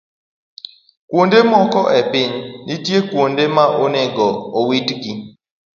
Kuonde moko e piny, nitie kuonde ma onego owitgi.